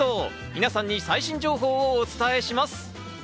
皆さんに最新情報をお伝えします。